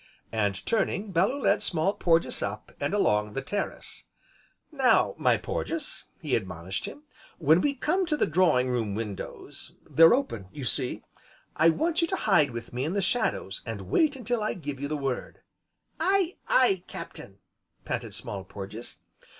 And turning, Bellew led Small Porges up, and along the terrace. "Now, my Porges," he admonished him, "when we come to the drawing room windows, they're open, you see, I want you to hide with me in the shadows, and wait until I give you the word " "Aye, aye, Captain!" panted Small Porges.